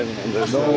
どうも。